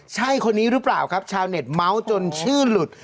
ใช่คนนี้หรือเปล่าครับชาวเน็ตเมาส์จนชื่อหลุด